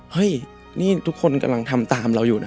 เฮ้ยนี่ทุกคนกำลังทำตามเราอยู่นะ